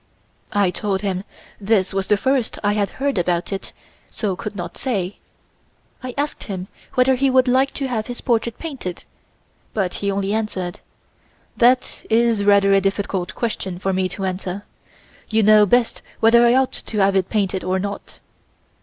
I told him this was the first I had heard about it so could not say. I asked him whether he would like to have his portrait painted but he only answered: "That is rather a difficult question for me to answer. You know best whether I ought to have it painted or not.